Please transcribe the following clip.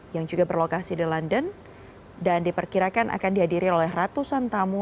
yang juga berlokasi di london dan diperkirakan akan dihadiri oleh ratusan tamu